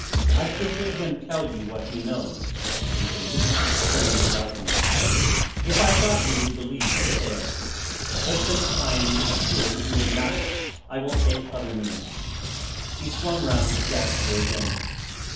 I should bid him tell you what he knows," he continued, turning to Rosamund, "if I thought you would believe his tale. But since I am assured you would not, I will take other means." He swung round to Jasper again.